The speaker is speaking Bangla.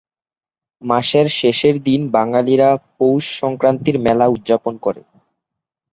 মাসের শেষের দিন বাঙালিরা পৌষ সংক্রান্তির মেলা উৎযাপন করে।